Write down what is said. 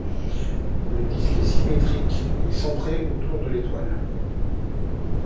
Le disque est symétrique et centré autour de l'étoile.